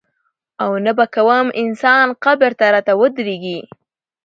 او نه به کوم انسان قبر ته راته ودرېږي.